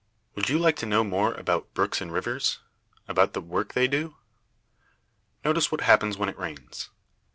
Would you like to know more about brooks and rivers about the work they do? Notice what happens when it rains.